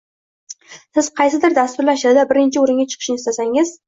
Siz qaysidir dasturlash tilida birinchi o’ringa chiqishni istasangiz